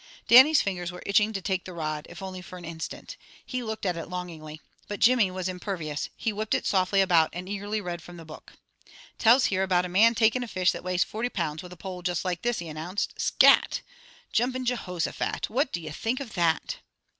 Dannie's fingers were itching to take the rod, if only for an instant. He looked at it longingly. But Jimmy was impervious. He whipped it softly about and eagerly read from the book. "Tells here about a man takin' a fish that weighed forty pounds with a pole just like this," he announced. "Scat! Jumpin' Jehosophat! What do you think of that!"